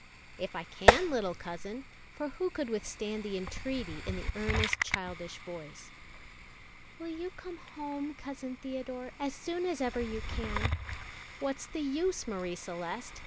"If I can, little cousin;" for who could withstand the entreaty in the earnest childish voice? "Will you come home, Cousin Theodore, as soon as ever you can?" "What's the use, Marie Celeste?